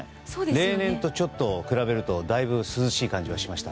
例年と比べるとだいぶ、涼しい感じがしました。